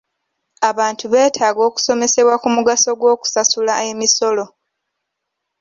Abantu beetaaga okusomesebwa ku mugaso gw'okusasula emisolo.